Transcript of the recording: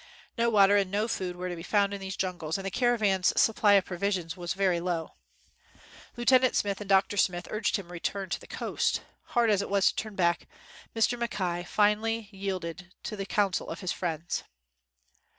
No water and no food were to be found in these jungles, and the caravan's supply of provisions was very low. Lieu tenant Smith and Dr. Smith urged him to return to the coast. Hard as it was to turn back, Mr. Mackay finally yielded to the coun sel of his friends.